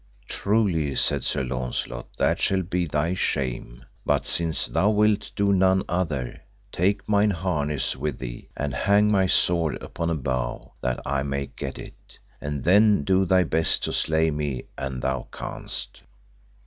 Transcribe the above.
Truly, said Sir Launcelot, that shall be thy shame, but since thou wilt do none other, take mine harness with thee, and hang my sword upon a bough that I may get it, and then do thy best to slay me an thou canst.